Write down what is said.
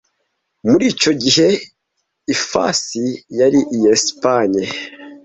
Muri icyo gihe ifasi yari iya Espanye.